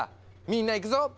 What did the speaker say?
みんないくぞ！